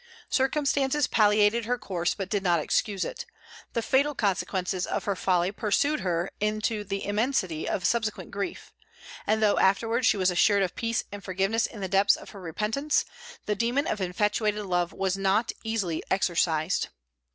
Circumstances palliated her course, but did not excuse it. The fatal consequences of her folly pursued her into the immensity of subsequent grief; and though afterwards she was assured of peace and forgiveness in the depths of her repentance, the demon of infatuated love was not easily exorcised.